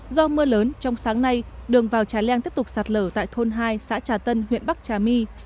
do mưa lớn trong sáng nay đường vào trà leng tiếp tục sạt lở tại thôn hai xã trà tân huyện bắc trà my